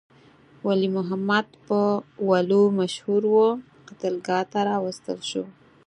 ولی محمد چې په ولو مشهور وو، قتلګاه ته راوستل شو.